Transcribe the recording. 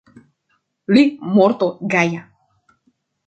Li mortu gaja.